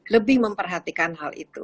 lebih memperhatikan hal itu